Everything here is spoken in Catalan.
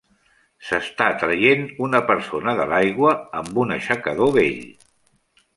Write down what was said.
S"està traient una persona de l"aigua amb un aixecador vell.